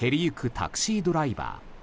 タクシードライバー。